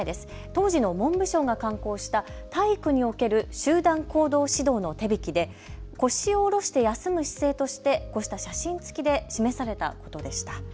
当時の文部省が刊行した体育における集団行動指導の手びきで腰をおろして休む姿勢としてこうした写真付きで示されたことでした。